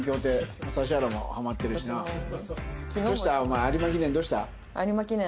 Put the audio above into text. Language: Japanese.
お前有馬記念どうした？